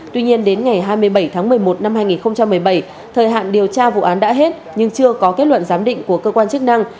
tuy nhiên đến ngày hai mươi bảy tháng một mươi một năm hai nghìn một mươi bảy thời hạn điều tra vụ án đã hết nhưng chưa có kết luận giám định của cơ quan chức năng